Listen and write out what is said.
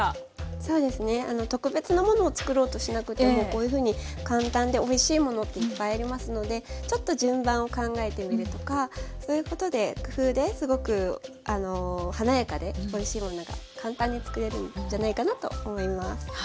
そうですね特別なものを作ろうとしなくてもこういうふうに簡単でおいしいものっていっぱいありますのでちょっと順番を考えてみるとかそういうことで工夫ですごく華やかでおいしいものが簡単に作れるんじゃないかなと思います。